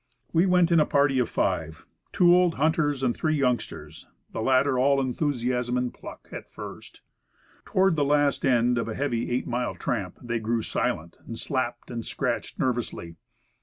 We went in a party of five two old hunters and three youngsters, the latter all enthusiasm and pluck 24 Woodcraft. at first. Toward the last end of a heavy eight mile tramp, they grew silent, and slapped and scratched nervously.